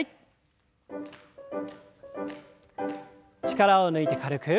力を抜いて軽く。